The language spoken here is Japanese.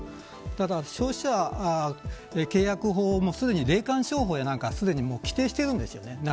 ただ、消費者契約法もすでに霊感商法はすでに規定してるんですよね。